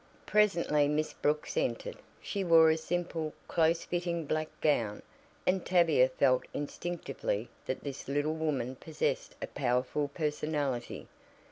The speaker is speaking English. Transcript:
Presently Miss Brooks entered. She wore a simple, close fitting black gown, and Tavia felt instinctively that this little woman possessed a powerful personality.